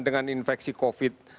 dengan infeksi covid